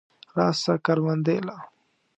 راسه کروندې له.